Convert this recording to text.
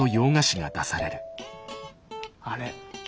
あれ？